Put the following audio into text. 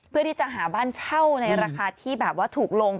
เพื่อที่จะหาบ้านเช่าในราคาที่แบบว่าถูกลง